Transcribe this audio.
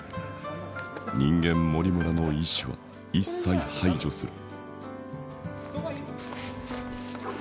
人間森村の意思は一切排除する。